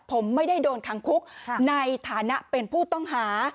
ผมไม่ได้โดนคังคุกในฐานะเป็นผู้ต้องหา